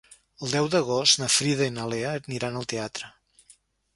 El deu d'agost na Frida i na Lea aniran al teatre.